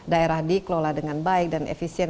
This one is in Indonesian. daerah dikelola dengan baik dan efisien